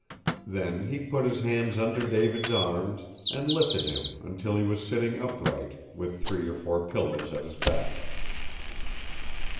Then he put his hands under David's arms and lifted him until he was sitting upright, with three or four pillows at his back.